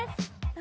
・何？